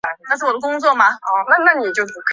波涛汹涌